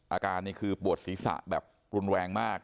อาการนี่คือปวดศีรษะแบบรุนแรงมาก